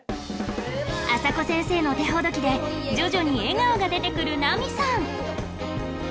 麻子先生の手ほどきで徐々に笑顔が出てくるナミさん